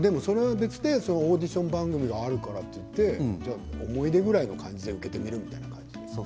それは別でオーディション番組があるからといって思い出ぐらいの感じで受けてみる？という感じで。